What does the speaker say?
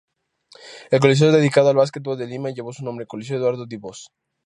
El Coliseo dedicado al básquetbol de Lima lleva su nombre: Coliseo Eduardo Dibós.